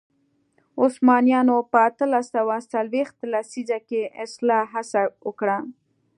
عثمانیانو په اتلس سوه څلوېښت لسیزه کې اصلاح هڅه وکړه.